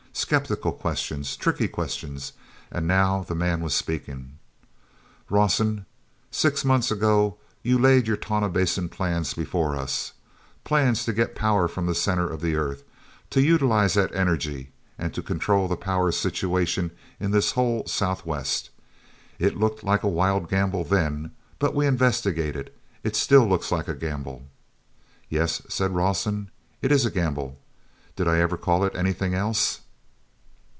Skeptical questions, tricky questions; and now the man was speaking: "Rawson, six months ago you laid your Tonah Basin plans before us—plans to get power from the center of the Earth, to utilize that energy, and to control the power situation in this whole Southwest. It looked like a wild gamble then, but we investigated. It still looks like a gamble." "Yes," said Rawson, "it is a gamble. Did I ever call it anything else?"